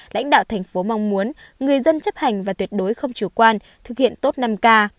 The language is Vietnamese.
lãnh đạo thành phố mong muốn người dân chấp hành và tuyệt đối không chủ quan thực hiện tốt năm k